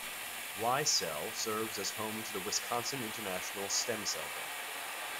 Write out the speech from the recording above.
WiCell serves as home to the Wisconsin International Stem Cell Bank.